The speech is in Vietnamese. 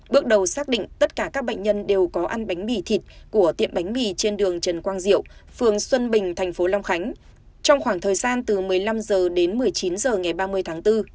bước đầu xác định tất cả các bệnh nhân đều có ăn bánh mì thịt của tiệm bánh mì trên đường trần quang diệu phường xuân bình thành phố long khánh trong khoảng thời gian từ một mươi năm h đến một mươi chín h ngày ba mươi tháng bốn